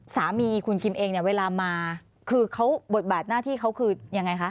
สามีคุณคิมเองเนี่ยเวลามาคือเขาบทบาทหน้าที่เขาคือยังไงคะ